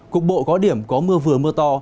cục bộ có điểm có mưa vừa mưa to